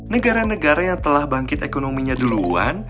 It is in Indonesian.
negara negara yang telah bangkit ekonominya duluan